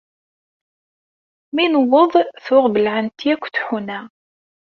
Mi newweḍ tuɣ bellɛent akk tḥuna.